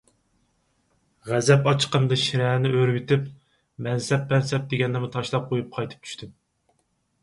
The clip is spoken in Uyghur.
غەزەپ ئاچچىقىمدا شىرەنى ئۆرۈۋېتىپ، مەنسەپ - پەنسەپ دېگەننىمۇ تاشلاپ قويۇپ قايتىپ چۈشتۈم.